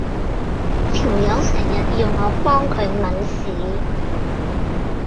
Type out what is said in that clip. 條友成日要我幫佢抆屎